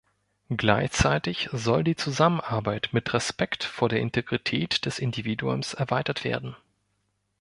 Gleichzeitig soll die Zusammenarbeit mit Respekt vor der Integrität des Individuums erweitert werden.